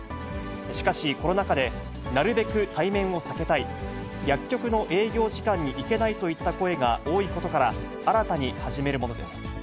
しかし、コロナ禍で、なるべく対面を避けたい、薬局の営業時間に行けないといった声が多いことから、新たに始めるものです。